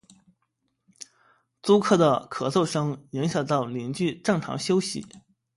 租客的咳嗽声影响到邻居正常休息